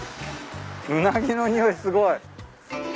うなぎの匂いすごい。